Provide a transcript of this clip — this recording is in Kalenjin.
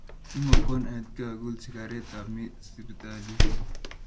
Kimakwo aetkei akul sikaret amii siptalit